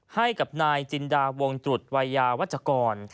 ให้กับนายจินดาวงตรุษวัยยาวัชกร